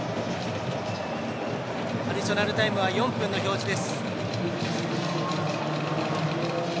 アディショナルタイムは４分の表示です。